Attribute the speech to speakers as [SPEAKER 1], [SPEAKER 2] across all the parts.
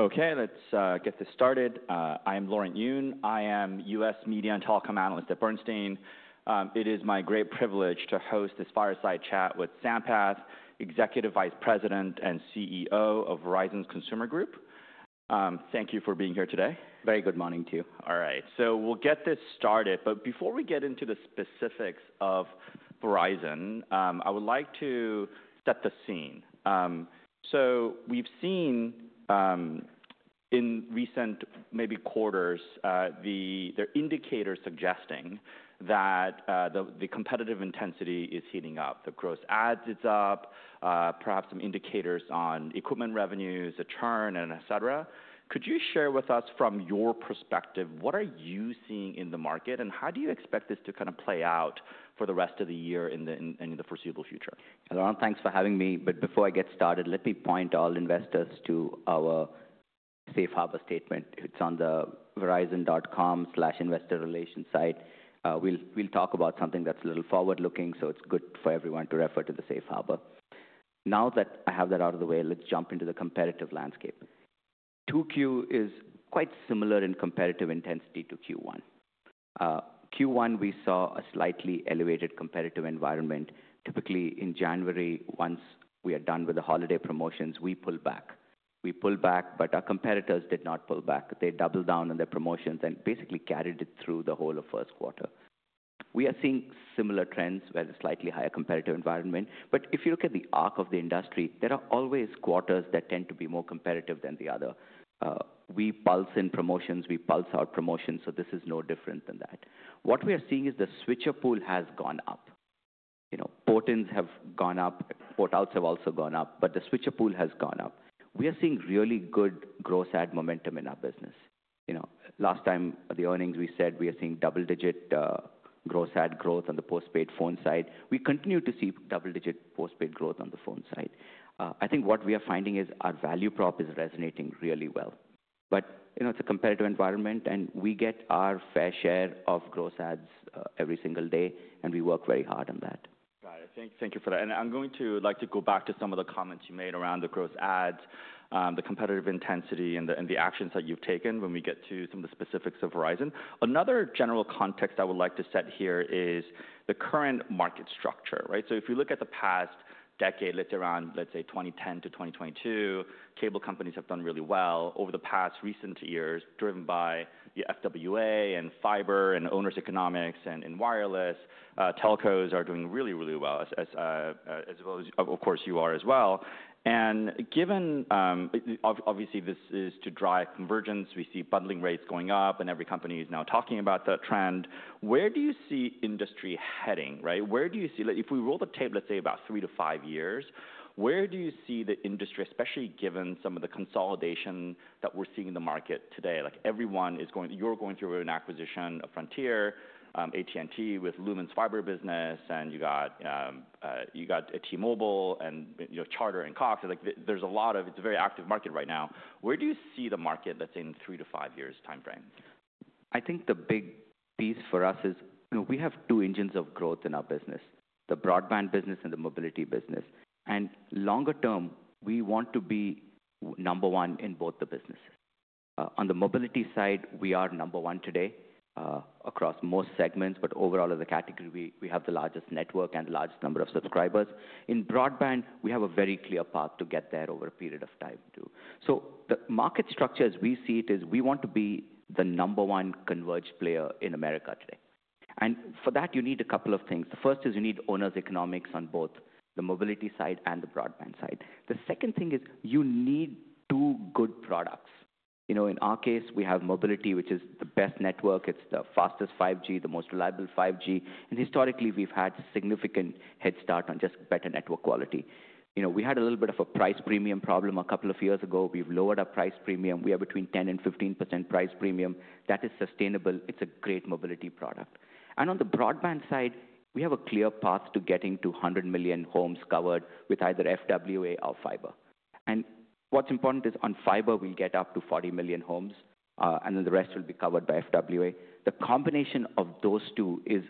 [SPEAKER 1] Okay, let's get this started. I am Laurent Yoon. I am U.S. media and telecom analyst at Bernstein. It is my great privilege to host this fireside chat with Sampath, Executive Vice President and CEO of Verizon's Consumer Group. Thank you for being here today.
[SPEAKER 2] Very good morning to you.
[SPEAKER 1] All right, so we'll get this started. Before we get into the specifics of Verizon, I would like to set the scene. We've seen in recent maybe quarters the indicators suggesting that the competitive intensity is heating up. The gross adds is up, perhaps some indicators on equipment revenues, a churn, et cetera. Could you share with us from your perspective, what are you seeing in the market, and how do you expect this to kind of play out for the rest of the year and in the foreseeable future?
[SPEAKER 2] Laurent, thanks for having me. Before I get started, let me point all investors to our Safe Harbor Statement. It's on the verizon.com/investorrelations site. We'll talk about something that's a little forward-looking, so it's good for everyone to refer to the Safe Harbor. Now that I have that out of the way, let's jump into the competitive landscape. Q2 is quite similar in competitive intensity to Q1. Q1, we saw a slightly elevated competitive environment. Typically, in January, once we are done with the holiday promotions, we pull back. We pull back, but our competitors did not pull back. They doubled down on their promotions and basically carried it through the whole of first quarter. We are seeing similar trends where there's a slightly higher competitive environment. If you look at the arc of the industry, there are always quarters that tend to be more competitive than the other. We pulse in promotions, we pulse out promotions, so this is no different than that. What we are seeing is the switcher pool has gone up. Port-ins have gone up, port-outs have also gone up, but the switcher pool has gone up. We are seeing really good gross ad momentum in our business. Last time, the earnings, we said we are seeing double-digit gross ad growth on the postpaid phone side. We continue to see double-digit postpaid growth on the phone side. I think what we are finding is our value prop is resonating really well. It is a competitive environment, and we get our fair share of gross ads every single day, and we work very hard on that.
[SPEAKER 1] Got it. Thank you for that. I'm going to like to go back to some of the comments you made around the gross adds, the competitive intensity, and the actions that you've taken when we get to some of the specifics of Verizon. Another general context I would like to set here is the current market structure, right? If you look at the past decade, let's say around, let's say, 2010 to 2022, cable companies have done really well. Over the past recent years, driven by the FWA and fiber and owners' economics and wireless, telcos are doing really, really well, as well as, of course, you are as well. Given obviously this is to drive convergence, we see bundling rates going up, and every company is now talking about that trend. Where do you see industry heading, right? Where do you see if we roll the tape, let's say, about three to five years, where do you see the industry, especially given some of the consolidation that we're seeing in the market today? Like everyone is going through, you're going through an acquisition, a Frontier, AT&T with Lumen's fiber business, and you got T-Mobile and Charter and Cox. It's a very active market right now. Where do you see the market, let's say, in three to five years' timeframe?
[SPEAKER 2] I think the big piece for us is we have two engines of growth in our business, the broadband business and the mobility business. Longer term, we want to be number one in both the businesses. On the mobility side, we are number one today across most segments, but overall as a category, we have the largest network and the largest number of subscribers. In broadband, we have a very clear path to get there over a period of time too. The market structure as we see it is we want to be the number one converged player in America today. For that, you need a couple of things. The first is you need owners' economics on both the mobility side and the broadband side. The second thing is you need two good products. In our case, we have Mobility, which is the best network. It's the fastest 5G, the most reliable 5G. Historically, we've had significant head start on just better network quality. We had a little bit of a price premium problem a couple of years ago. We've lowered our price premium. We are between 10-15% price premium. That is sustainable. It's a great mobility product. On the broadband side, we have a clear path to getting to 100 million homes covered with either FWA or fiber. What's important is on fiber, we'll get up to 40 million homes, and then the rest will be covered by FWA. The combination of those two is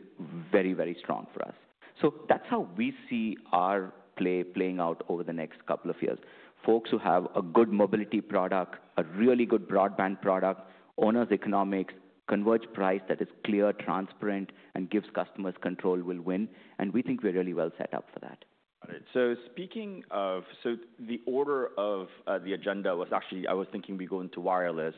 [SPEAKER 2] very, very strong for us. That's how we see our play playing out over the next couple of years. Folks who have a good mobility product, a really good broadband product, owners' economics, converged price that is clear, transparent, and gives customers control will win. We think we're really well set up for that.
[SPEAKER 1] All right. Speaking of, the order of the agenda was actually, I was thinking we go into wireless,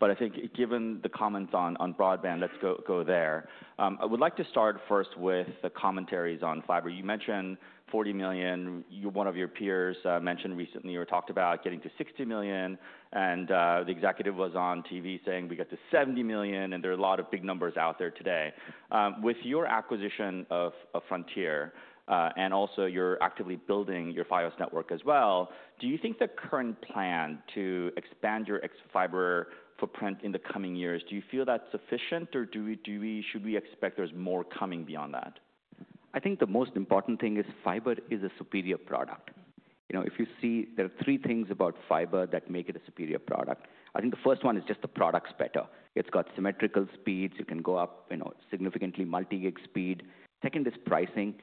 [SPEAKER 1] but I think given the comments on broadband, let's go there. I would like to start first with the commentaries on fiber. You mentioned 40 million. One of your peers mentioned recently or talked about getting to 60 million. The executive was on TV saying we get to 70 million, and there are a lot of big numbers out there today. With your acquisition of Frontier and also you're actively building your fiber network as well, do you think the current plan to expand your fiber footprint in the coming years, do you feel that's sufficient, or should we expect there's more coming beyond that?
[SPEAKER 2] I think the most important thing is fiber is a superior product. If you see there are three things about fiber that make it a superior product. I think the first one is just the product's better. It's got symmetrical speeds. You can go up significantly multi-gig speed. Second is pricing.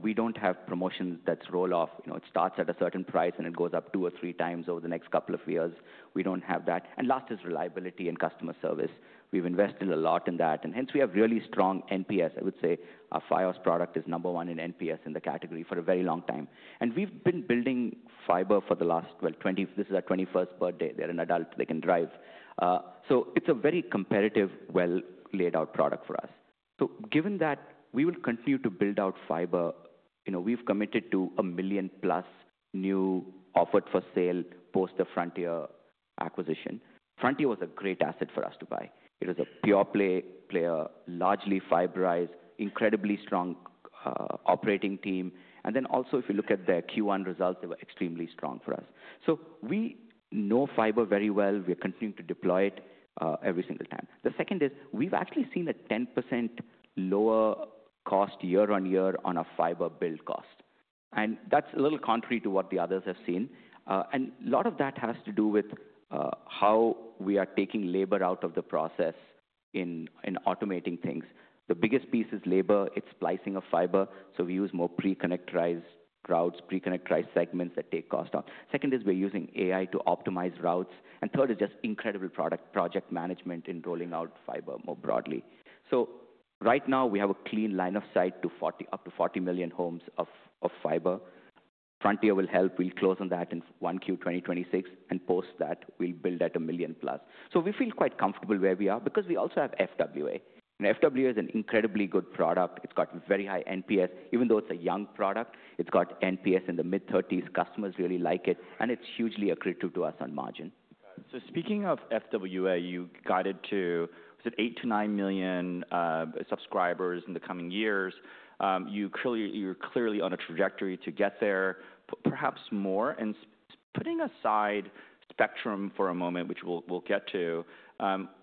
[SPEAKER 2] We don't have promotions that roll off. It starts at a certain price and it goes up two or three times over the next couple of years. We don't have that. Last is reliability and customer service. We've invested a lot in that, and hence we have really strong NPS. I would say our fiber product is number one in NPS in the category for a very long time. We've been building fiber for the last, well, this is our 21st birthday. They're an adult. They can drive. It is a very competitive, well-laid-out product for us. Given that, we will continue to build out fiber. We've committed to a million-plus new offered for sale post the Frontier acquisition. Frontier was a great asset for us to buy. It was a pure play player, largely fiberized, incredibly strong operating team. Also, if you look at their Q1 results, they were extremely strong for us. We know fiber very well. We are continuing to deploy it every single time. The second is we've actually seen a 10% lower cost year on year on our fiber build cost. That's a little contrary to what the others have seen. A lot of that has to do with how we are taking labor out of the process in automating things. The biggest piece is labor. It's splicing of fiber. We use more pre-connectorized routes, pre-connectorized segments that take cost off. Second is we're using AI to optimize routes. Third is just incredible project management in rolling out fiber more broadly. Right now, we have a clean line of sight to up to 40 million homes of fiber. Frontier will help. We'll close on that in one Q 2026, and post that, we'll build at a million-plus. We feel quite comfortable where we are because we also have FWA. FWA is an incredibly good product. It's got very high NPS. Even though it's a young product, it's got NPS in the mid-30s. Customers really like it, and it's hugely accretive to us on margin.
[SPEAKER 1] Speaking of FWA, you guided to, was it 8 million-9 million subscribers in the coming years? You're clearly on a trajectory to get there, perhaps more. Putting aside spectrum for a moment, which we'll get to,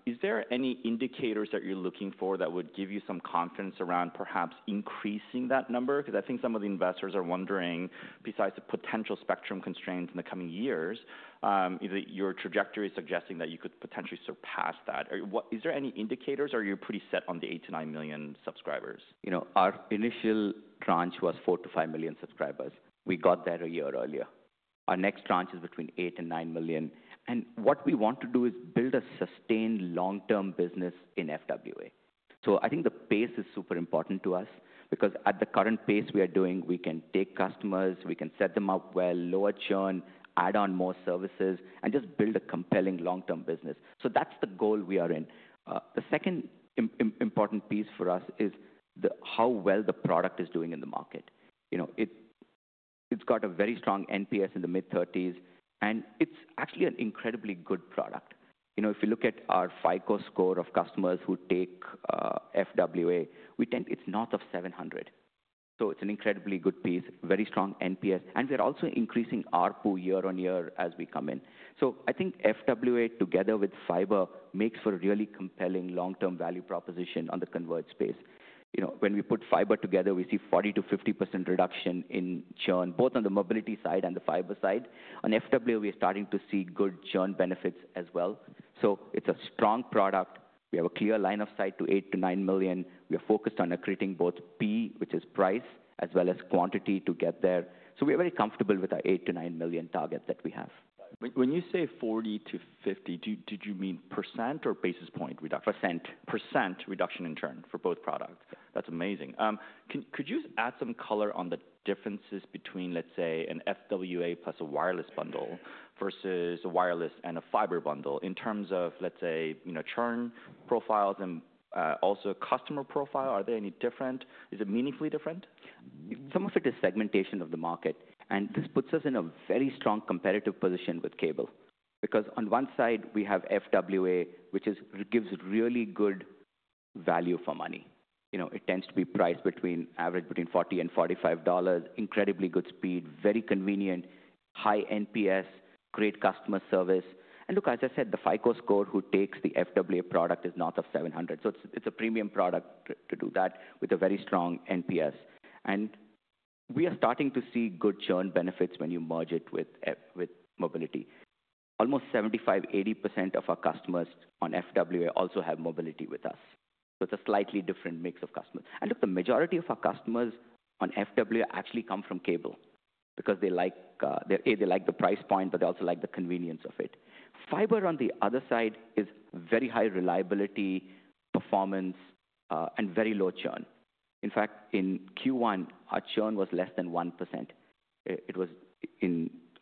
[SPEAKER 1] is there any indicators that you're looking for that would give you some confidence around perhaps increasing that number? I think some of the investors are wondering, besides the potential spectrum constraints in the coming years, your trajectory is suggesting that you could potentially surpass that. Is there any indicators, or are you pretty set on the 8 million-9 million subscribers?
[SPEAKER 2] Our initial tranche was 4 million-5 million subscribers. We got there a year earlier. Our next tranche is between 8 million and 9 million. What we want to do is build a sustained long-term business in FWA. I think the pace is super important to us because at the current pace we are doing, we can take customers, we can set them up well, lower churn, add on more services, and just build a compelling long-term business. That is the goal we are in. The second important piece for us is how well the product is doing in the market. It has got a very strong NPS in the mid-30s, and it is actually an incredibly good product. If you look at our FICO score of customers who take FWA, it is north of 700. It is an incredibly good piece, very strong NPS. We are also increasing ARPU year on year as we come in. I think FWA together with fiber makes for a really compelling long-term value proposition on the converged space. When we put fiber together, we see 40%-50% reduction in churn, both on the mobility side and the fiber side. On FWA, we are starting to see good churn benefits as well. It is a strong product. We have a clear line of sight to 8 million-9 million. We are focused on accreting both P, which is price, as well as quantity to get there. We are very comfortable with our 8 million-9 million target that we have.
[SPEAKER 1] When you say 40-50, did you mean percent or basis point reduction?
[SPEAKER 2] Percent.
[SPEAKER 1] Percent reduction in churn for both products. That's amazing. Could you add some color on the differences between, let's say, an FWA plus a wireless bundle versus a wireless and a fiber bundle in terms of, let's say, churn profiles and also customer profile? Are they any different? Is it meaningfully different?
[SPEAKER 2] It's almost like the segmentation of the market. This puts us in a very strong competitive position with cable because on one side, we have FWA, which gives really good value for money. It tends to be priced between $40 and $45, incredibly good speed, very convenient, high NPS, great customer service. Look, as I said, the FICO score who takes the FWA product is north of 700. It is a premium product to do that with a very strong NPS. We are starting to see good churn benefits when you merge it with mobility. Almost 75%-80% of our customers on FWA also have mobility with us. It is a slightly different mix of customers. The majority of our customers on FWA actually come from cable because they like the price point, but they also like the convenience of it. Fiber, on the other side, is very high reliability, performance, and very low churn. In fact, in Q1, our churn was less than 1%. It was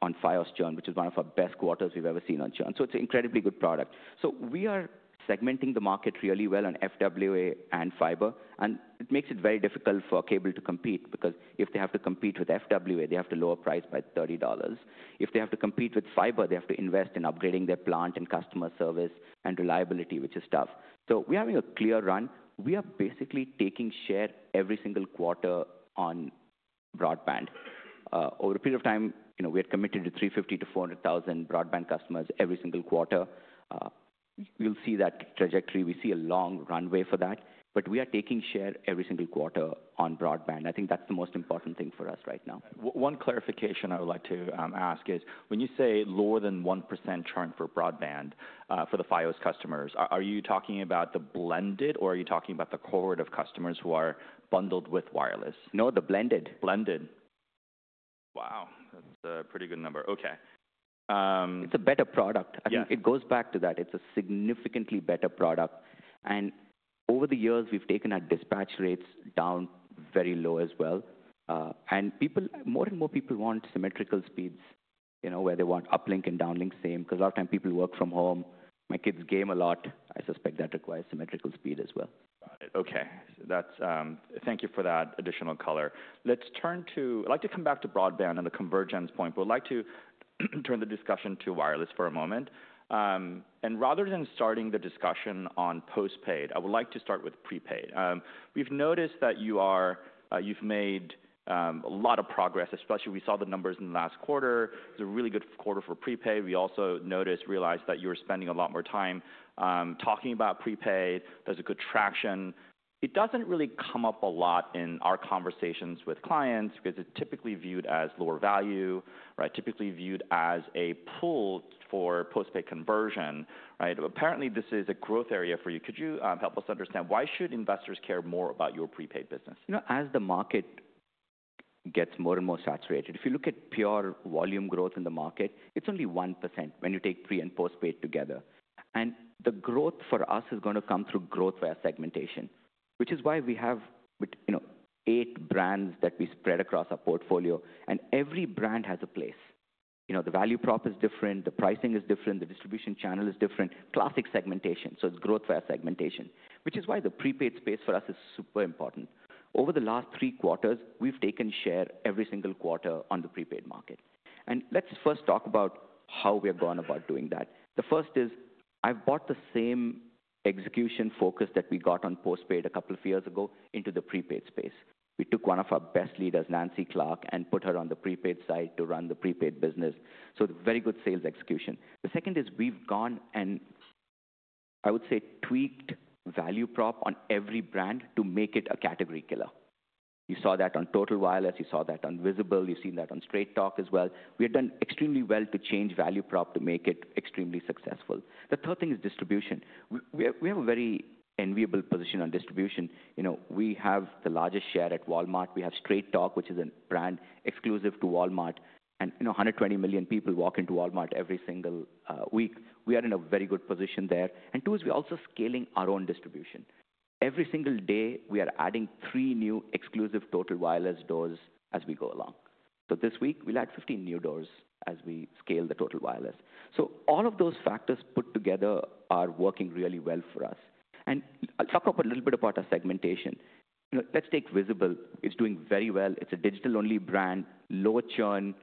[SPEAKER 2] on fiber churn, which is one of our best quarters we've ever seen on churn. It is an incredibly good product. We are segmenting the market really well on FWA and fiber. It makes it very difficult for cable to compete because if they have to compete with FWA, they have to lower price by $30. If they have to compete with fiber, they have to invest in upgrading their plant and customer service and reliability, which is tough. We are having a clear run. We are basically taking share every single quarter on broadband. Over a period of time, we had committed to 350,000-400,000 broadband customers every single quarter. You'll see that trajectory. We see a long runway for that. We are taking share every single quarter on broadband. I think that's the most important thing for us right now.
[SPEAKER 1] One clarification I would like to ask is when you say lower than 1% churn for broadband for the Fios customers, are you talking about the blended or are you talking about the cohort of customers who are bundled with wireless?
[SPEAKER 2] No, the blended.
[SPEAKER 1] Blended. Wow. That's a pretty good number. Okay.
[SPEAKER 2] It's a better product. I think it goes back to that. It's a significantly better product. Over the years, we've taken our dispatch rates down very low as well. More and more people want symmetrical speeds where they want uplink and downlink same because a lot of time people work from home. My kids game a lot. I suspect that requires symmetrical speed as well.
[SPEAKER 1] Got it. Okay. Thank you for that additional color. Let's turn to, I'd like to come back to broadband and the convergence point, but I'd like to turn the discussion to wireless for a moment. Rather than starting the discussion on postpaid, I would like to start with prepaid. We've noticed that you've made a lot of progress, especially we saw the numbers in the last quarter. It was a really good quarter for prepaid. We also noticed, realized that you were spending a lot more time talking about prepaid. There's a good traction. It doesn't really come up a lot in our conversations with clients because it's typically viewed as lower value, typically viewed as a pull for postpaid conversion. Apparently, this is a growth area for you. Could you help us understand why should investors care more about your prepaid business?
[SPEAKER 2] As the market gets more and more saturated, if you look at pure volume growth in the market, it's only 1% when you take pre and postpaid together. The growth for us is going to come through growth via segmentation, which is why we have eight brands that we spread across our portfolio. Every brand has a place. The value prop is different. The pricing is different. The distribution channel is different. Classic segmentation. It's growth via segmentation, which is why the prepaid space for us is super important. Over the last three quarters, we've taken share every single quarter on the prepaid market. Let's first talk about how we have gone about doing that. The first is I've brought the same execution focus that we got on postpaid a couple of years ago into the prepaid space. We took one of our best leaders, Nancy Clark, and put her on the prepaid side to run the prepaid business. Very good sales execution. The second is we've gone and, I would say, tweaked value prop on every brand to make it a category killer. You saw that on Total Wireless. You saw that on Visible. You have seen that on Straight Talk as well. We have done extremely well to change value prop to make it extremely successful. The third thing is distribution. We have a very enviable position on distribution. We have the largest share at Walmart. We have Straight Talk, which is a brand exclusive to Walmart. 120 million people walk into Walmart every single week. We are in a very good position there. Two, we are also scaling our own distribution. Every single day, we are adding three new exclusive Total Wireless doors as we go along. This week, we'll add 15 new doors as we scale the Total Wireless. All of those factors put together are working really well for us. I'll talk a little bit about our segmentation. Let's take Visible. It's doing very well. It's a digital-only brand, lower churn,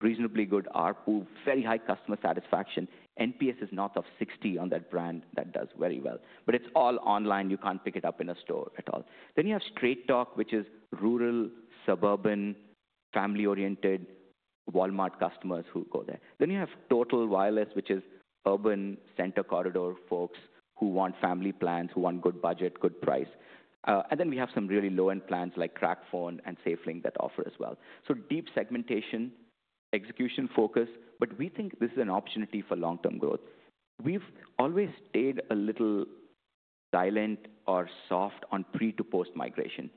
[SPEAKER 2] reasonably good ARPU, very high customer satisfaction. NPS is north of 60 on that brand that does very well. It's all online. You can't pick it up in a store at all. You have Straight Talk, which is rural, suburban, family-oriented Walmart customers who go there. You have Total Wireless, which is urban, center corridor folks who want family plans, who want good budget, good price. We have some really low-end plans like TracFone and SafeLink that offer as well. Deep segmentation, execution focus, but we think this is an opportunity for long-term growth. We've always stayed a little silent or soft on pre to post migration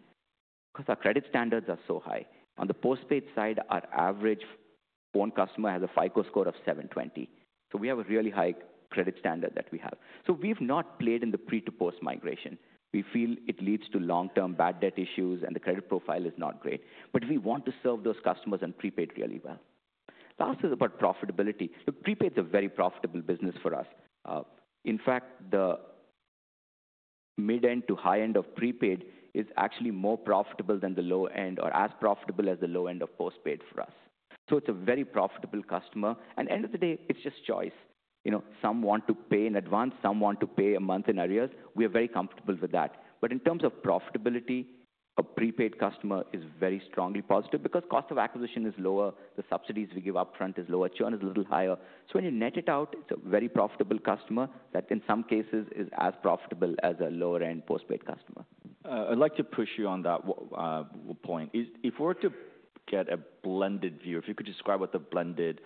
[SPEAKER 2] because our credit standards are so high. On the postpaid side, our average phone customer has a FICO score of 720. We have a really high credit standard that we have. We've not played in the pre to post migration. We feel it leads to long-term bad debt issues, and the credit profile is not great. We want to serve those customers on prepaid really well. Last is about profitability. Prepaid is a very profitable business for us. In fact, the mid-end to high-end of prepaid is actually more profitable than the low-end or as profitable as the low-end of postpaid for us. It's a very profitable customer. At the end of the day, it's just choice. Some want to pay in advance. Some want to pay a month in advance. We are very comfortable with that. In terms of profitability, a prepaid customer is very strongly positive because cost of acquisition is lower. The subsidies we give upfront are lower. Churn is a little higher. When you net it out, it is a very profitable customer that in some cases is as profitable as a lower-end postpaid customer.
[SPEAKER 1] I'd like to push you on that point. If we were to get a blended view, if you could describe what the blended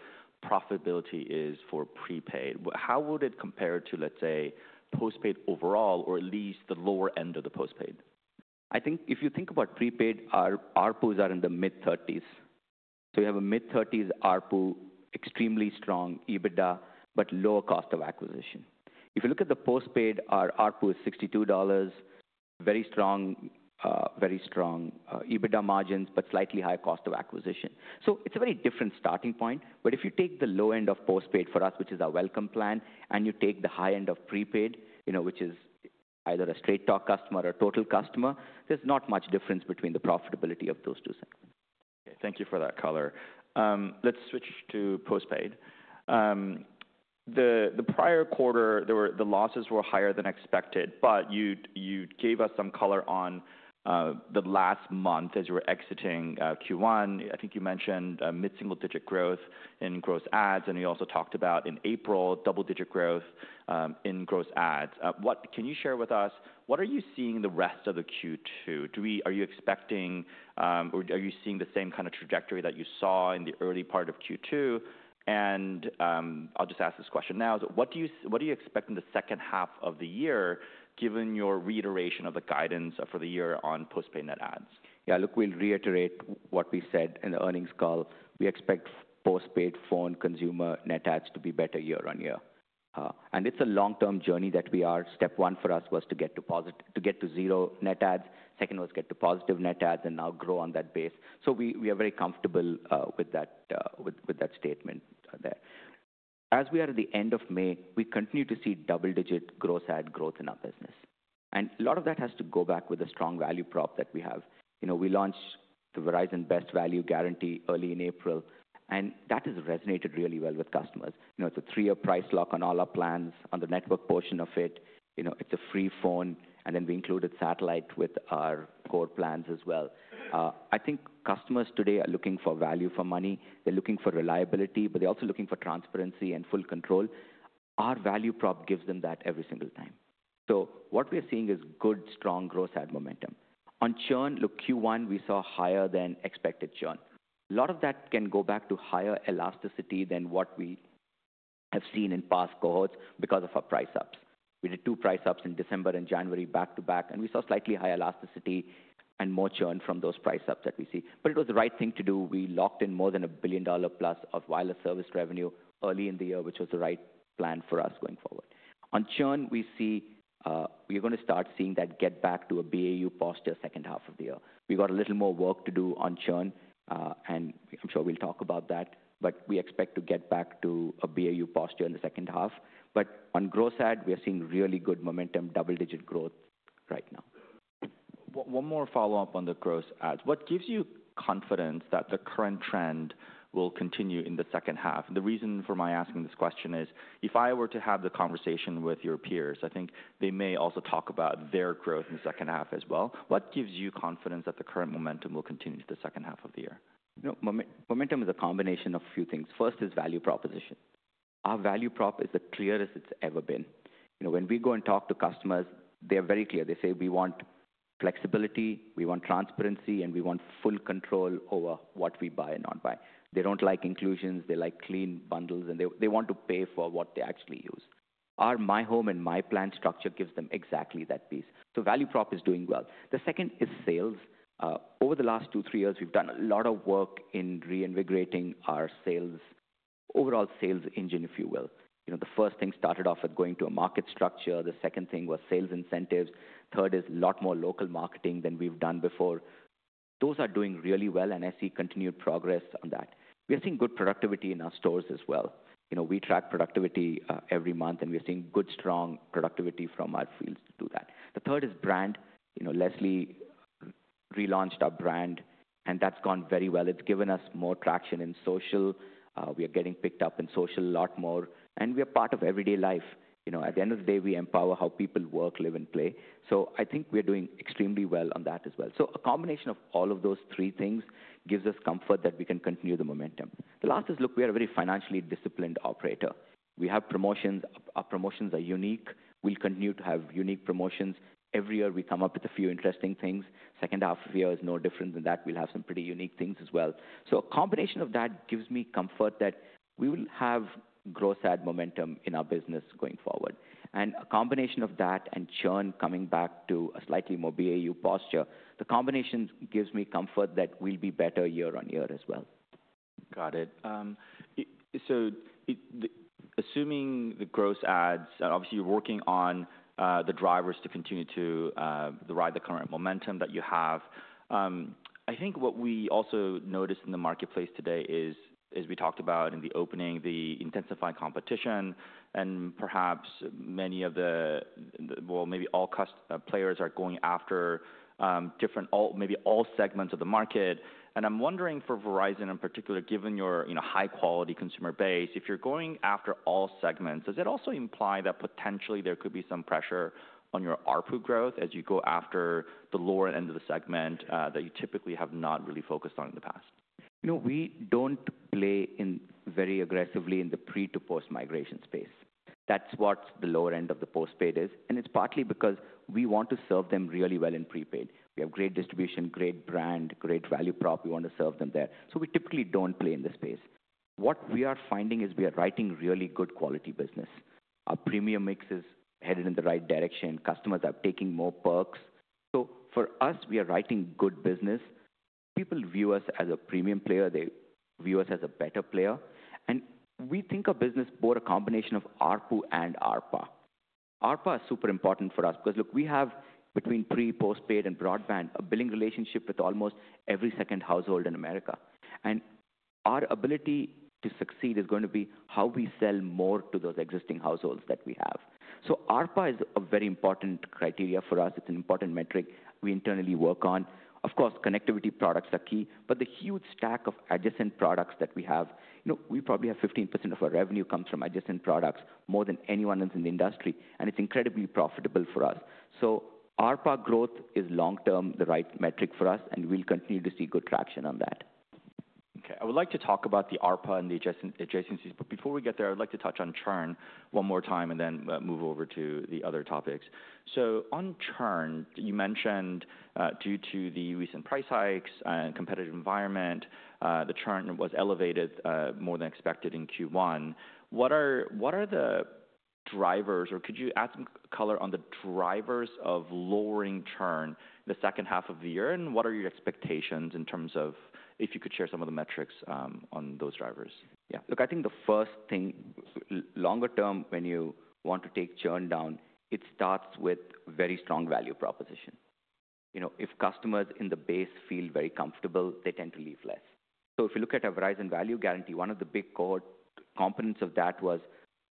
[SPEAKER 1] profitability is for prepaid, how would it compare to, let's say, postpaid overall or at least the lower end of the postpaid?
[SPEAKER 2] I think if you think about prepaid, our ARPUs are in the mid-30s. So you have a mid-30s ARPU, extremely strong EBITDA, but lower cost of acquisition. If you look at the postpaid, our ARPU is $62, very strong, very strong EBITDA margins, but slightly high cost of acquisition. It is a very different starting point. If you take the low end of postpaid for us, which is our welcome plan, and you take the high end of prepaid, which is either a Straight Talk customer or Total customer, there is not much difference between the profitability of those two segments.
[SPEAKER 1] Okay. Thank you for that color. Let's switch to postpaid. The prior quarter, the losses were higher than expected, but you gave us some color on the last month as you were exiting Q1. I think you mentioned mid-single digit growth in gross ads, and you also talked about in April, double-digit growth in gross ads. Can you share with us, what are you seeing the rest of the Q2? Are you expecting or are you seeing the same kind of trajectory that you saw in the early part of Q2? I'll just ask this question now. What do you expect in the second half of the year given your reiteration of the guidance for the year on postpaid net ads?
[SPEAKER 2] Yeah, look, we'll reiterate what we said in the earnings call. We expect postpaid, phone, consumer net ads to be better year on year. It's a long-term journey that we are. Step one for us was to get to zero net ads. Second was get to positive net ads and now grow on that base. We are very comfortable with that statement there. As we are at the end of May, we continue to see double-digit gross ad growth in our business. A lot of that has to go back with a strong value prop that we have. We launched the Verizon's Best Value Guarantee early in April, and that has resonated really well with customers. It's a three-year price lock on all our plans on the network portion of it. It's a free phone, and then we included satellite with our core plans as well. I think customers today are looking for value for money. They're looking for reliability, but they're also looking for transparency and full control. Our value prop gives them that every single time. What we are seeing is good, strong gross ad momentum. On churn, look, Q1, we saw higher than expected churn. A lot of that can go back to higher elasticity than what we have seen in past quarters because of our price ups. We did two price ups in December and January back-to-back, and we saw slightly higher elasticity and more churn from those price ups that we see. It was the right thing to do. We locked in more than $1 billion of wireless service revenue early in the year, which was the right plan for us going forward. On churn, we see we're going to start seeing that get back to a BAU posture second half of the year. We've got a little more work to do on churn, and I'm sure we'll talk about that, but we expect to get back to a BAU posture in the second half. On gross ad, we are seeing really good momentum, double-digit growth right now.
[SPEAKER 1] One more follow-up on the gross adds. What gives you confidence that the current trend will continue in the second half? The reason for my asking this question is if I were to have the conversation with your peers, I think they may also talk about their growth in the second half as well. What gives you confidence that the current momentum will continue to the second half of the year?
[SPEAKER 2] Momentum is a combination of a few things. First is value proposition. Our value prop is the clearest it's ever been. When we go and talk to customers, they're very clear. They say, "We want flexibility. We want transparency, and we want full control over what we buy and not buy." They don't like inclusions. They like clean bundles, and they want to pay for what they actually use. Our My Home and My Plan structure gives them exactly that piece. So value prop is doing well. The second is sales. Over the last two, three years, we've done a lot of work in reinvigorating our sales, overall sales engine, if you will. The first thing started off with going to a market structure. The second thing was sales incentives. Third is a lot more local marketing than we've done before. Those are doing really well, and I see continued progress on that. We are seeing good productivity in our stores as well. We track productivity every month, and we are seeing good, strong productivity from our fields to do that. The third is brand. Leslie relaunched our brand, and that's gone very well. It's given us more traction in social. We are getting picked up in social a lot more, and we are part of everyday life. At the end of the day, we empower how people work, live, and play. I think we are doing extremely well on that as well. A combination of all of those three things gives us comfort that we can continue the momentum. The last is, look, we are a very financially disciplined operator. We have promotions. Our promotions are unique. We'll continue to have unique promotions. Every year, we come up with a few interesting things. The second half of the year is no different than that. We'll have some pretty unique things as well. A combination of that gives me comfort that we will have gross ad momentum in our business going forward. A combination of that and churn coming back to a slightly more BAU posture, the combination gives me comfort that we'll be better year on year as well.
[SPEAKER 1] Got it. Assuming the gross adds, obviously, you're working on the drivers to continue to ride the current momentum that you have. I think what we also noticed in the marketplace today is, as we talked about in the opening, the intensified competition, and perhaps many of the, well, maybe all players are going after different, maybe all segments of the market. I'm wondering for Verizon in particular, given your high-quality consumer base, if you're going after all segments, does it also imply that potentially there could be some pressure on your ARPU growth as you go after the lower end of the segment that you typically have not really focused on in the past?
[SPEAKER 2] We do not play very aggressively in the pre to post-migration space. That is what the lower end of the postpaid is. It is partly because we want to serve them really well in prepaid. We have great distribution, great brand, great value prop. We want to serve them there. We typically do not play in this space. What we are finding is we are writing really good quality business. Our premium mix is headed in the right direction. Customers are taking more perks. For us, we are writing good business. People view us as a premium player. They view us as a better player. We think our business bore a combination of ARPU and ARPA. ARPA is super important for us because, look, we have, between pre, postpaid, and broadband, a billing relationship with almost every second household in America. Our ability to succeed is going to be how we sell more to those existing households that we have. ARPA is a very important criteria for us. It's an important metric we internally work on. Of course, connectivity products are key, but the huge stack of adjacent products that we have, we probably have 15% of our revenue comes from adjacent products more than anyone else in the industry, and it's incredibly profitable for us. ARPA growth is long-term the right metric for us, and we'll continue to see good traction on that.
[SPEAKER 1] Okay. I would like to talk about the ARPA and the adjacencies, but before we get there, I'd like to touch on churn one more time and then move over to the other topics. On churn, you mentioned due to the recent price hikes and competitive environment, the churn was elevated more than expected in Q1. What are the drivers, or could you add some color on the drivers of lowering churn in the second half of the year? What are your expectations in terms of if you could share some of the metrics on those drivers?
[SPEAKER 2] Yeah. Look, I think the first thing, longer term, when you want to take churn down, it starts with very strong value proposition. If customers in the base feel very comfortable, they tend to leave less. If you look at our Verizon Value Guarantee, one of the big core components of that was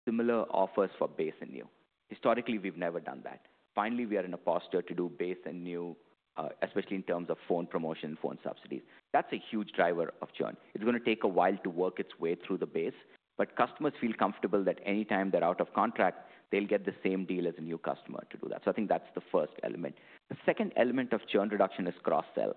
[SPEAKER 2] similar offers for base and new. Historically, we've never done that. Finally, we are in a posture to do base and new, especially in terms of phone promotion and phone subsidies. That's a huge driver of churn. It's going to take a while to work its way through the base, but customers feel comfortable that anytime they're out of contract, they'll get the same deal as a new customer to do that. I think that's the first element. The second element of churn reduction is cross-sell.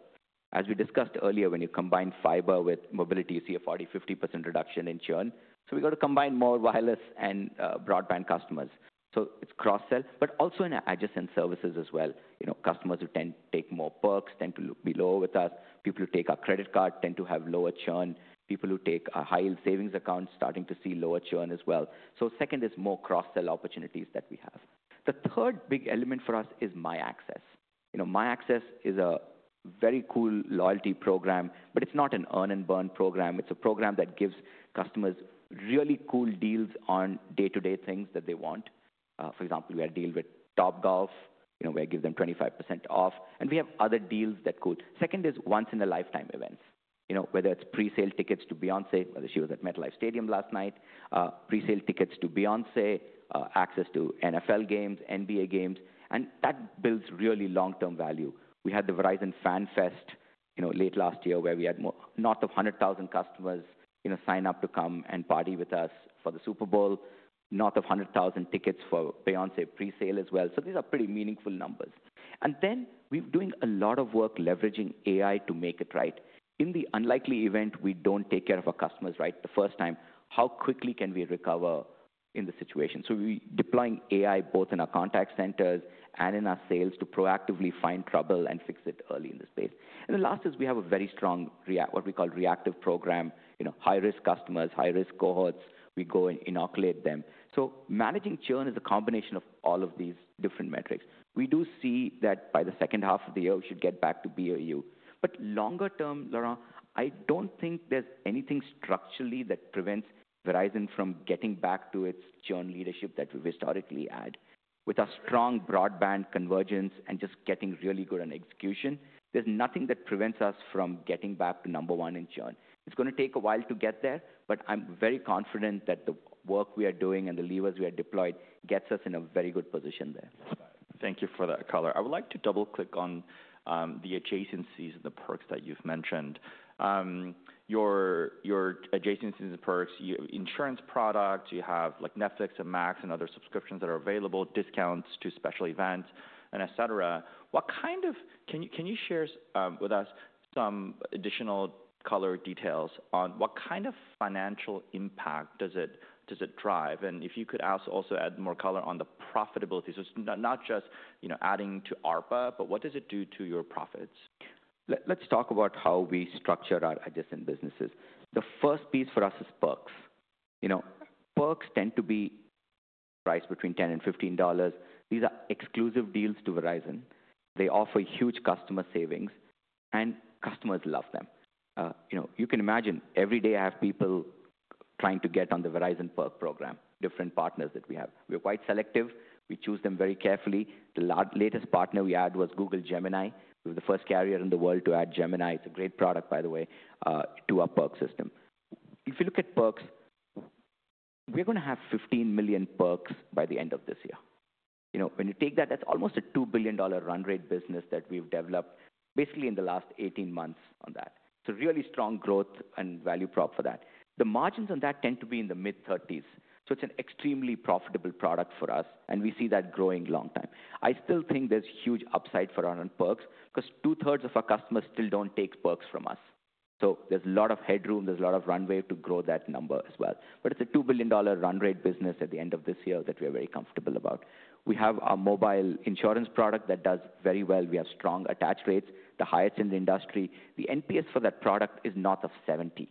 [SPEAKER 2] As we discussed earlier, when you combine fiber with mobility, you see a 40%-50% reduction in churn. We have to combine more wireless and broadband customers. It is cross-sell, but also in our adjacent services as well. Customers who tend to take more perks tend to look below with us. People who take our credit card tend to have lower churn. People who take high-yield savings accounts are starting to see lower churn as well. Second is more cross-sell opportunities that we have. The third big element for us is MyAccess. MyAccess is a very cool loyalty program, but it is not an earn-and-burn program. It is a program that gives customers really cool deals on day-to-day things that they want. For example, we had a deal with TopGolf where I give them 25% off, and we have other deals that could. Second is once-in-a-lifetime events, whether it's presale tickets to Beyoncé, whether she was at MetLife Stadium last night, presale tickets to Beyoncé, access to NFL games, NBA games, and that builds really long-term value. We had the Verizon FanFest late last year where we had north of 100,000 customers sign up to come and party with us for the Super Bowl, north of 100,000 tickets for Beyoncé presale as well. These are pretty meaningful numbers. We are doing a lot of work leveraging AI to make it right. In the unlikely event we do not take care of our customers right the first time, how quickly can we recover in the situation? We are deploying AI both in our contact centers and in our sales to proactively find trouble and fix it early in the space. The last is we have a very strong what we call reactive program, high-risk customers, high-risk cohorts. We go and inoculate them. Managing churn is a combination of all of these different metrics. We do see that by the second half of the year, we should get back to BAU. Longer term, Laurent, I do not think there is anything structurally that prevents Verizon from getting back to its churn leadership that we have historically had. With our strong broadband convergence and just getting really good on execution, there is nothing that prevents us from getting back to number one in churn. It is going to take a while to get there, but I am very confident that the work we are doing and the levers we have deployed get us in a very good position there.
[SPEAKER 1] Thank you for that color. I would like to double-click on the adjacencies and the perks that you've mentioned. Your adjacencies and perks, insurance products, you have Netflix and Max and other subscriptions that are available, discounts to special events, et cetera. Can you share with us some additional color details on what kind of financial impact does it drive? If you could also add more color on the profitability. It's not just adding to ARPA, but what does it do to your profits?
[SPEAKER 2] Let's talk about how we structure our adjacent businesses. The first piece for us is perks. Perks tend to be priced between $10 and $15. These are exclusive deals to Verizon. They offer huge customer savings, and customers love them. You can imagine every day I have people trying to get on the Verizon perk program. Different partners that we have. We're quite selective. We choose them very carefully. The latest partner we add was Google Gemini. We were the first carrier in the world to add Gemini. It's a great product, by the way, to our perk system. If you look at perks, we're going to have 15 million perks by the end of this year. When you take that, that's almost a $2 billion run rate business that we've developed basically in the last 18 months on that. It's a really strong growth and value prop for that. The margins on that tend to be in the mid-30%. It is an extremely profitable product for us, and we see that growing long time. I still think there is huge upside for our own perks because 2/3 of our customers still do not take perks from us. There is a lot of headroom. There is a lot of runway to grow that number as well. It is a $2 billion run rate business at the end of this year that we are very comfortable about. We have our mobile insurance product that does very well. We have strong attach rates, the highest in the industry. The NPS for that product is north of 70.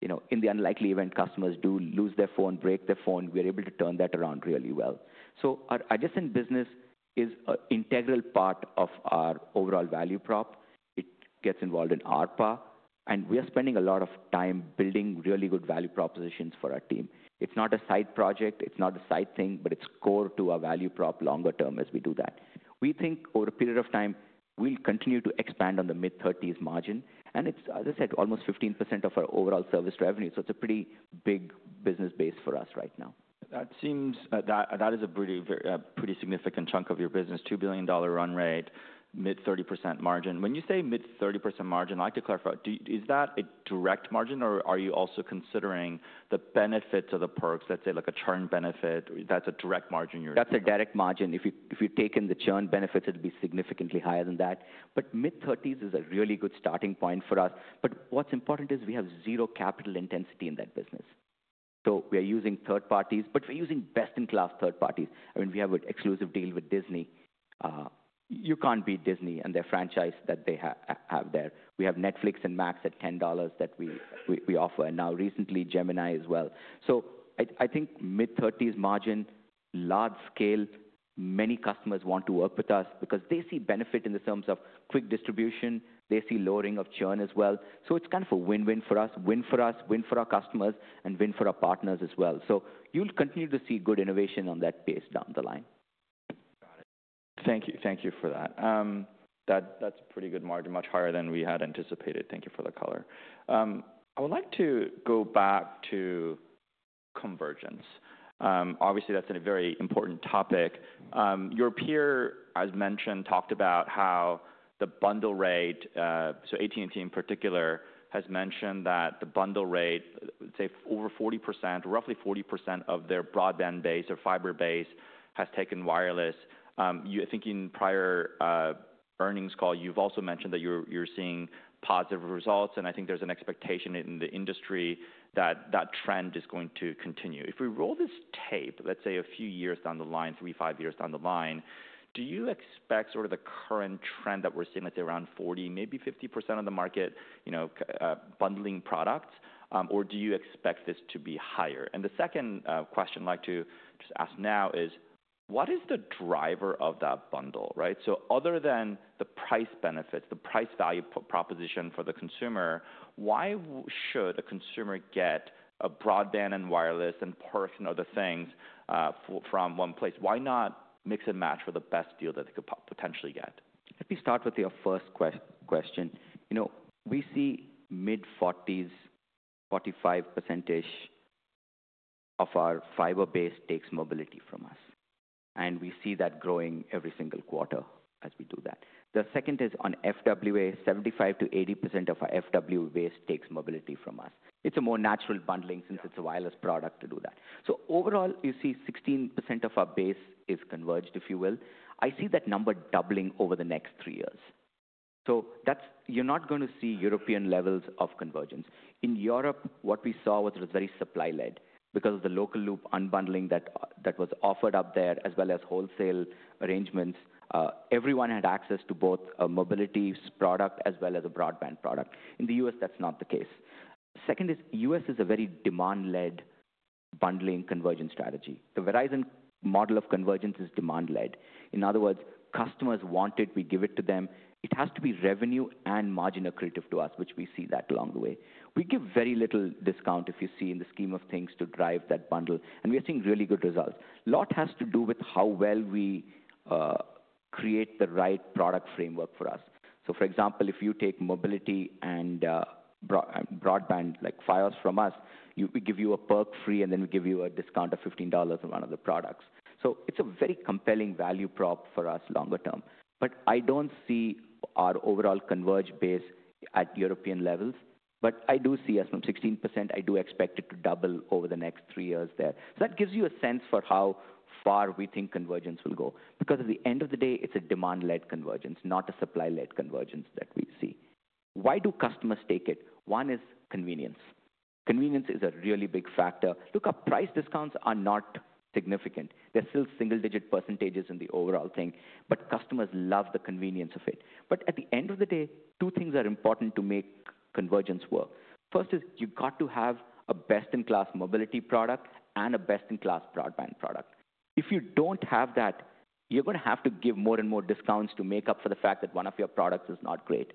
[SPEAKER 2] In the unlikely event customers do lose their phone, break their phone, we are able to turn that around really well. Our adjacent business is an integral part of our overall value prop. It gets involved in ARPA, and we are spending a lot of time building really good value propositions for our team. It's not a side project. It's not a side thing, but it's core to our value prop longer term as we do that. We think over a period of time, we'll continue to expand on the mid-30s margin. It's, as I said, almost 15% of our overall service revenue. It's a pretty big business base for us right now.
[SPEAKER 1] That is a pretty significant chunk of your business, $2 billion run rate, mid-30% margin. When you say mid-30% margin, I'd like to clarify, is that a direct margin, or are you also considering the benefits of the perks, let's say like a churn benefit? That's a direct margin you're talking about.
[SPEAKER 2] That's a direct margin. If you're taking the churn benefits, it'd be significantly higher than that. Mid-30s is a really good starting point for us. What's important is we have zero capital intensity in that business. We are using third parties, but we're using best-in-class third parties. I mean, we have an exclusive deal with Disney. You can't beat Disney and their franchise that they have there. We have Netflix and Max at $10 that we offer, and now recently Gemini as well. I think mid-30s margin, large scale, many customers want to work with us because they see benefit in the terms of quick distribution. They see lowering of churn as well. It's kind of a win-win for us, win for us, win for our customers, and win for our partners as well. You'll continue to see good innovation on that pace down the line.
[SPEAKER 1] Got it. Thank you for that. That's a pretty good margin, much higher than we had anticipated. Thank you for the color. I would like to go back to convergence. Obviously, that's a very important topic. Your peer, as mentioned, talked about how the bundle rate, so AT&T in particular, has mentioned that the bundle rate, say, over 40%, roughly 40% of their broadband base or fiber base has taken wireless. Thinking prior earnings call, you've also mentioned that you're seeing positive results, and I think there's an expectation in the industry that that trend is going to continue. If we roll this tape, let's say a few years down the line, three, five years down the line, do you expect sort of the current trend that we're seeing, let's say around 40%, maybe 50% of the market bundling products, or do you expect this to be higher? The second question I'd like to just ask now is, what is the driver of that bundle? Other than the price benefits, the price value proposition for the consumer, why should a consumer get a broadband and wireless and perks and other things from one place? Why not mix and match for the best deal that they could potentially get?
[SPEAKER 2] Let me start with your first question. We see mid-40s, 45%-ish of our fiber base takes mobility from us. We see that growing every single quarter as we do that. The second is on FWA, 75%-80% of our FWA base takes mobility from us. It's a more natural bundling since it's a wireless product to do that. Overall, you see 16% of our base is converged, if you will. I see that number doubling over the next three years. You're not going to see European levels of convergence. In Europe, what we saw was it was very supply-led because of the local loop unbundling that was offered up there as well as wholesale arrangements. Everyone had access to both a mobility product as well as a broadband product. In the U.S., that's not the case. Second is U.S. is a very demand-led bundling convergence strategy. The Verizon model of convergence is demand-led. In other words, customers want it. We give it to them. It has to be revenue and margin accretive to us, which we see that along the way. We give very little discount, if you see, in the scheme of things to drive that bundle. We are seeing really good results. A lot has to do with how well we create the right product framework for us. For example, if you take mobility and broadband like Fios from us, we give you a perk free, and then we give you a discount of $15 on one of the products. It is a very compelling value prop for us longer term. I do not see our overall converged base at European levels, but I do see us from 16%. I do expect it to double over the next three years there. That gives you a sense for how far we think convergence will go because at the end of the day, it's a demand-led convergence, not a supply-led convergence that we see. Why do customers take it? One is convenience. Convenience is a really big factor. Look, our price discounts are not significant. They're still single-digit percentage in the overall thing, but customers love the convenience of it. At the end of the day, two things are important to make convergence work. First is you've got to have a best-in-class mobility product and a best-in-class broadband product. If you don't have that, you're going to have to give more and more discounts to make up for the fact that one of your products is not great.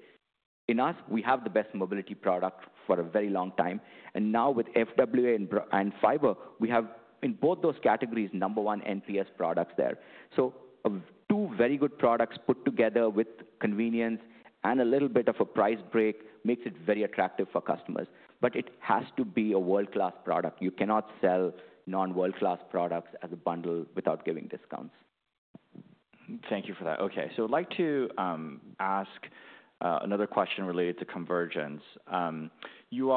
[SPEAKER 2] In the U.S., we have the best mobility product for a very long time. And now with FWA and fiber, we have in both those categories number one NPS products there. So two very good products put together with convenience and a little bit of a price break makes it very attractive for customers. But it has to be a world-class product. You cannot sell non-world-class products as a bundle without giving discounts.
[SPEAKER 1] Thank you for that. Okay. I'd like to ask another question related to convergence. You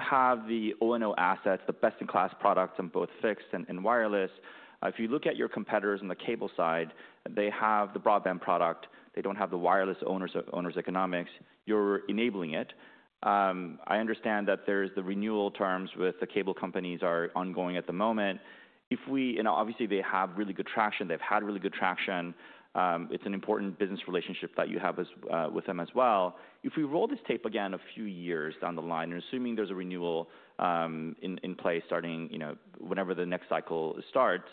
[SPEAKER 1] have the O&O assets, the best-in-class products on both fixed and wireless. If you look at your competitors on the cable side, they have the broadband product. They don't have the wireless owners' economics. You're enabling it. I understand that the renewal terms with the cable companies are ongoing at the moment. Obviously, they have really good traction. They've had really good traction. It's an important business relationship that you have with them as well. If we roll this tape again a few years down the line, and assuming there's a renewal in place starting whenever the next cycle starts,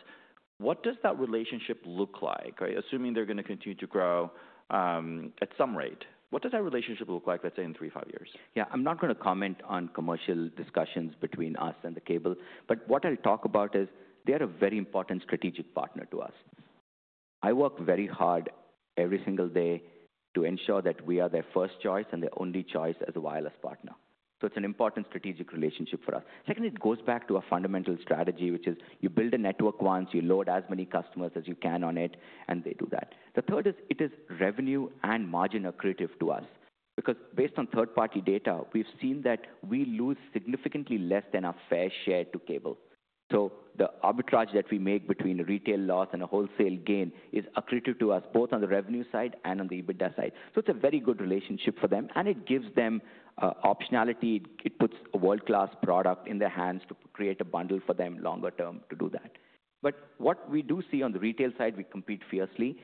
[SPEAKER 1] what does that relationship look like? Assuming they're going to continue to grow at some rate, what does that relationship look like, let's say, in three, five years?
[SPEAKER 2] Yeah, I'm not going to comment on commercial discussions between us and the cable, but what I'll talk about is they are a very important strategic partner to us. I work very hard every single day to ensure that we are their first choice and their only choice as a wireless partner. It is an important strategic relationship for us. Second, it goes back to a fundamental strategy, which is you build a network once, you load as many customers as you can on it, and they do that. The third is it is revenue and margin accretive to us because based on third-party data, we've seen that we lose significantly less than our fair share to cable. The arbitrage that we make between a retail loss and a wholesale gain is accretive to us both on the revenue side and on the EBITDA side. It's a very good relationship for them, and it gives them optionality. It puts a world-class product in their hands to create a bundle for them longer term to do that. What we do see on the retail side, we compete fiercely.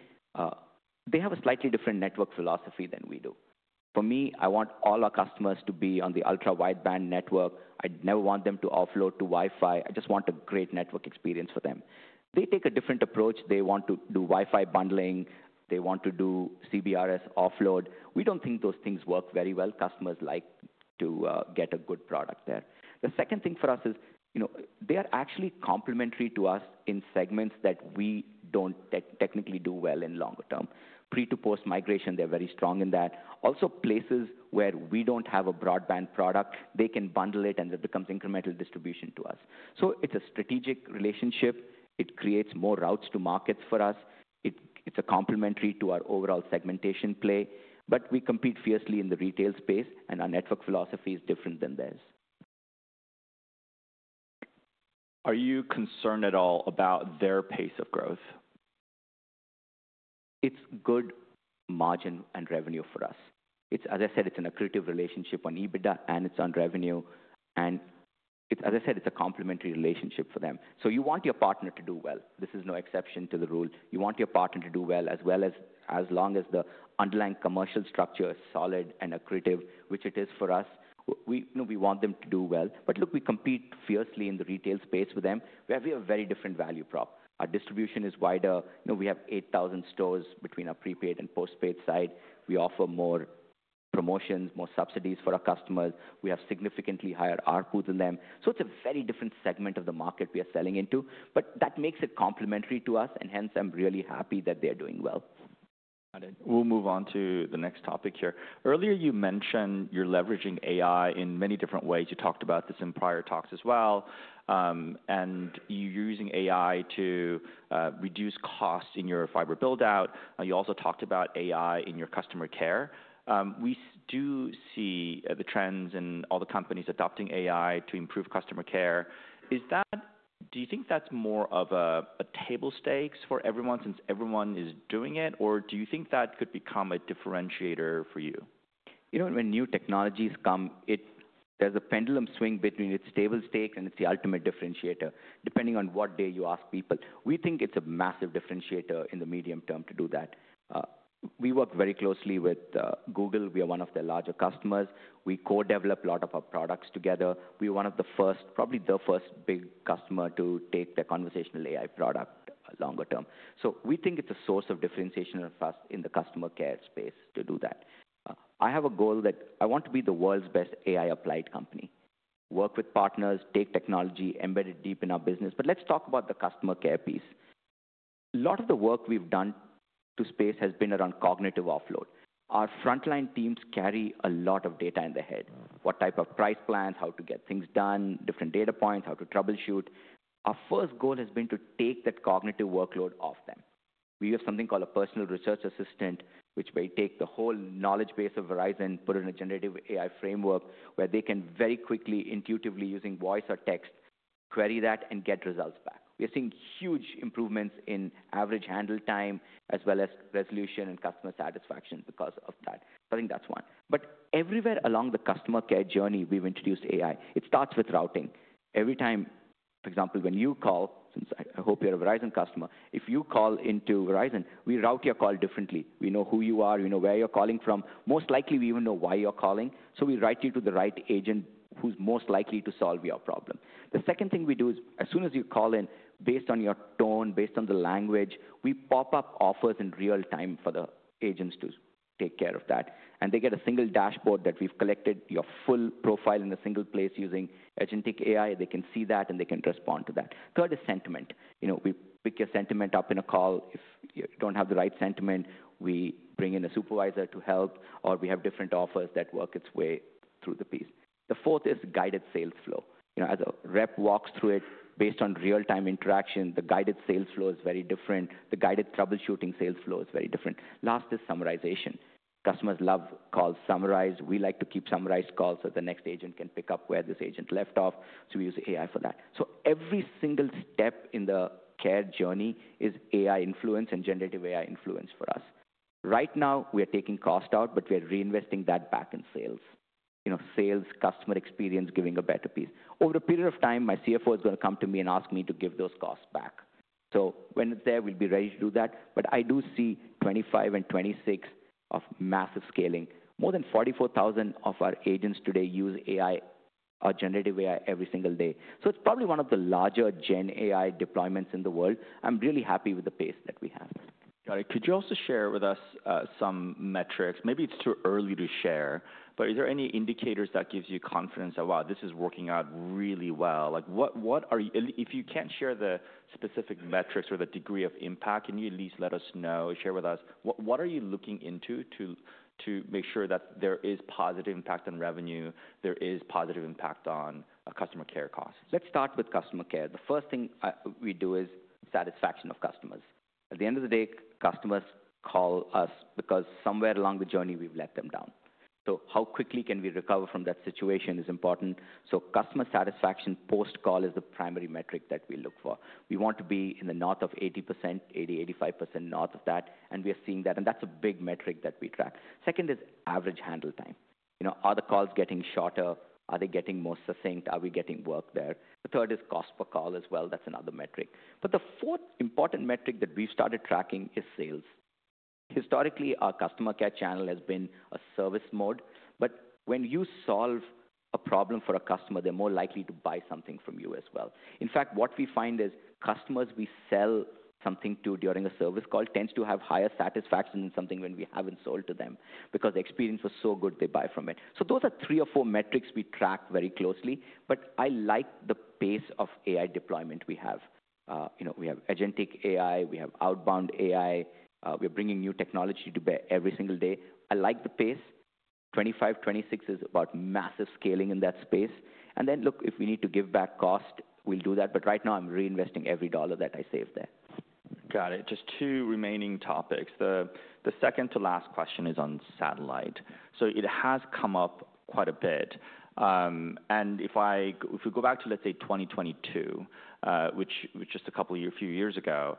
[SPEAKER 2] They have a slightly different network philosophy than we do. For me, I want all our customers to be on the ultra-wideband network. I never want them to offload to Wi-Fi. I just want a great network experience for them. They take a different approach. They want to do Wi-Fi bundling. They want to do CBRS offload. We don't think those things work very well. Customers like to get a good product there. The second thing for us is they are actually complementary to us in segments that we don't technically do well in longer term. Pre-to-post migration, they're very strong in that. Also, places where we don't have a broadband product, they can bundle it, and it becomes incremental distribution to us. It is a strategic relationship. It creates more routes to markets for us. It is complementary to our overall segmentation play. We compete fiercely in the retail space, and our network philosophy is different than theirs.
[SPEAKER 1] Are you concerned at all about their pace of growth?
[SPEAKER 2] It's good margin and revenue for us. As I said, it's an accretive relationship on EBITDA and it's on revenue. As I said, it's a complementary relationship for them. You want your partner to do well. This is no exception to the rule. You want your partner to do well as well as long as the underlying commercial structure is solid and accretive, which it is for us. We want them to do well. Look, we compete fiercely in the retail space with them. We have a very different value prop. Our distribution is wider. We have 8,000 stores between our prepaid and postpaid side. We offer more promotions, more subsidies for our customers. We have significantly higher ARPU than them. It's a very different segment of the market we are selling into. That makes it complementary to us, and hence I'm really happy that they are doing well.
[SPEAKER 1] Got it. We'll move on to the next topic here. Earlier, you mentioned you're leveraging AI in many different ways. You talked about this in prior talks as well. You're using AI to reduce costs in your fiber buildout. You also talked about AI in your customer care. We do see the trends in all the companies adopting AI to improve customer care. Do you think that's more of a table stakes for everyone since everyone is doing it, or do you think that could become a differentiator for you?
[SPEAKER 2] You know when new technologies come, there's a pendulum swing between it's table stakes and it's the ultimate differentiator, depending on what day you ask people. We think it's a massive differentiator in the medium term to do that. We work very closely with Google. We are one of their larger customers. We co-develop a lot of our products together. We were one of the first, probably the first big customer to take the conversational AI product longer term. We think it's a source of differentiation for us in the customer care space to do that. I have a goal that I want to be the world's best AI applied company. Work with partners, take technology embedded deep in our business. Let's talk about the customer care piece. A lot of the work we've done to space has been around cognitive offload. Our frontline teams carry a lot of data in their head. What type of price plans, how to get things done, different data points, how to troubleshoot. Our first goal has been to take that cognitive workload off them. We have something called a personal research assistant, which may take the whole knowledge base of Verizon, put it in a generative AI framework where they can very quickly, intuitively using voice or text, query that and get results back. We're seeing huge improvements in average handle time as well as resolution and customer satisfaction because of that. I think that's one. Everywhere along the customer care journey, we've introduced AI. It starts with routing. Every time, for example, when you call, since I hope you're a Verizon customer, if you call into Verizon, we route your call differently. We know who you are. We know where you're calling from. Most likely, we even know why you're calling. We route you to the right agent who's most likely to solve your problem. The second thing we do is as soon as you call in, based on your tone, based on the language, we pop up offers in real time for the agents to take care of that. They get a single dashboard that we've collected your full profile in a single place using agentic AI. They can see that, and they can respond to that. Third is sentiment. We pick your sentiment up in a call. If you don't have the right sentiment, we bring in a supervisor to help, or we have different offers that work its way through the piece. The fourth is guided sales flow. As a rep walks through it, based on real-time interaction, the guided sales flow is very different. The guided troubleshooting sales flow is very different. Last is summarization. Customers love calls summarized. We like to keep summarized calls so the next agent can pick up where this agent left off. We use AI for that. Every single step in the care journey is AI influence and generative AI influence for us. Right now, we are taking cost out, but we're reinvesting that back in sales. Sales, customer experience, giving a better piece. Over a period of time, my CFO is going to come to me and ask me to give those costs back. When it's there, we'll be ready to do that. I do see 2025 and 2026 of massive scaling. More than 44,000 of our agents today use AI, our generative AI every single day. It's probably one of the larger gen AI deployments in the world. I'm really happy with the pace that we have.
[SPEAKER 1] Got it. Could you also share with us some metrics? Maybe it's too early to share, but is there any indicators that give you confidence of, wow, this is working out really well? If you can't share the specific metrics or the degree of impact, can you at least let us know, share with us, what are you looking into to make sure that there is positive impact on revenue, there is positive impact on customer care costs?
[SPEAKER 2] Let's start with customer care. The first thing we do is satisfaction of customers. At the end of the day, customers call us because somewhere along the journey, we've let them down. How quickly can we recover from that situation is important. Customer satisfaction post-call is the primary metric that we look for. We want to be in the north of 80%, 80%-85% north of that. We are seeing that. That's a big metric that we track. Second is average handle time. Are the calls getting shorter? Are they getting more succinct? Are we getting work there? The third is cost per call as well. That's another metric. The fourth important metric that we've started tracking is sales. Historically, our customer care channel has been a service mode. When you solve a problem for a customer, they're more likely to buy something from you as well. In fact, what we find is customers we sell something to during a service call tend to have higher satisfaction than when we have not sold to them because the experience was so good, they buy from it. Those are three or four metrics we track very closely. I like the pace of AI deployment we have. We have agentic AI. We have outbound AI. We are bringing new technology to bear every single day. I like the pace. 2025, 2026 is about massive scaling in that space. If we need to give back cost, we will do that. Right now, I am reinvesting every dollar that I save there.
[SPEAKER 1] Got it. Just two remaining topics. The second to last question is on satellite. It has come up quite a bit. If we go back to, let's say, 2022, which was just a couple of years ago,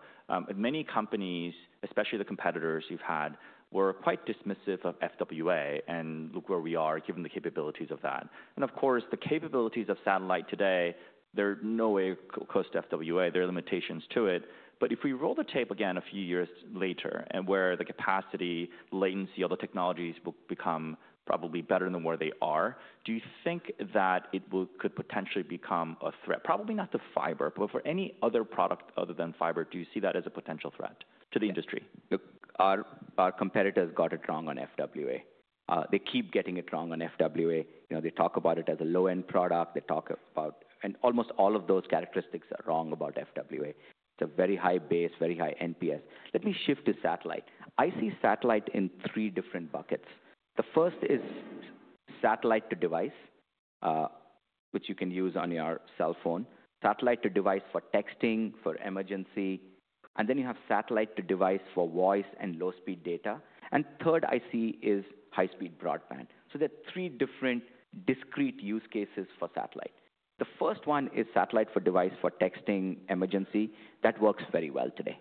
[SPEAKER 1] many companies, especially the competitors you've had, were quite dismissive of FWA and look where we are given the capabilities of that. Of course, the capabilities of satellite today, they're nowhere close to FWA. There are limitations to it. If we roll the tape again a few years later and where the capacity, latency, all the technologies will become probably better than where they are, do you think that it could potentially become a threat? Probably not to fiber, but for any other product other than fiber, do you see that as a potential threat to the industry?
[SPEAKER 2] Look, our competitors got it wrong on FWA. They keep getting it wrong on FWA. They talk about it as a low-end product. They talk about, and almost all of those characteristics are wrong about FWA. It's a very high base, very high NPS. Let me shift to satellite. I see satellite in three different buckets. The first is satellite to device, which you can use on your cell phone, satellite to device for texting, for emergency, and then you have satellite to device for voice and low-speed data. Third, I see is high-speed broadband. There are three different discrete use cases for satellite. The first one is satellite for device for texting, emergency. That works very well today.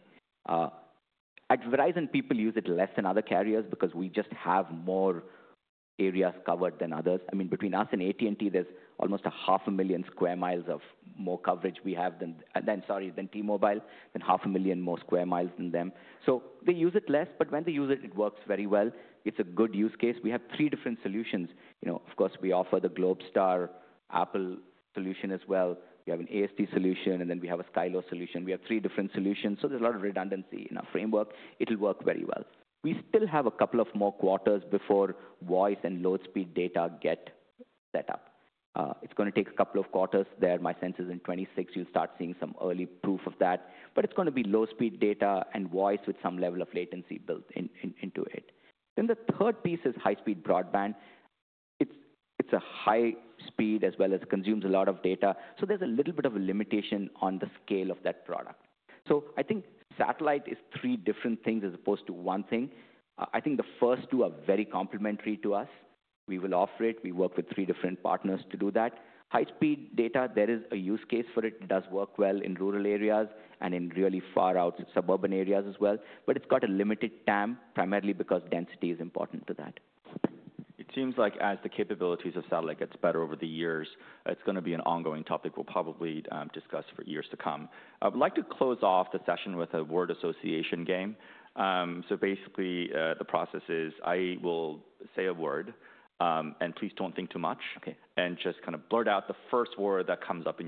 [SPEAKER 2] At Verizon, people use it less than other carriers because we just have more areas covered than others. I mean, between us and AT&T, there's almost 500,000 sq mi of more coverage we have than, sorry, than T-Mobile, than 500,000 more sq mi than them. They use it less, but when they use it, it works very well. It's a good use case. We have three different solutions. Of course, we offer the Globalstar Apple solution as well. We have an AST solution, and then we have a Skylo solution. We have three different solutions. There's a lot of redundancy in our framework. It'll work very well. We still have a couple more quarters before voice and low-speed data get set up. It's going to take a couple of quarters there. My sense is in 2026, you'll start seeing some early proof of that. It's going to be low-speed data and voice with some level of latency built into it. The third piece is high-speed broadband. It's high speed as well as consumes a lot of data. There's a little bit of a limitation on the scale of that product. I think satellite is three different things as opposed to one thing. I think the first two are very complementary to us. We will offer it. We work with three different partners to do that. High-speed data, there is a use case for it. It does work well in rural areas and in really far-out suburban areas as well. It's got a limited TAM, primarily because density is important to that.
[SPEAKER 1] It seems like as the capabilities of satellite get better over the years, it's going to be an ongoing topic we'll probably discuss for years to come. I would like to close off the session with a word association game. Basically, the process is I will say a word, and please don't think too much, just kind of blurt out the first word that comes up to me.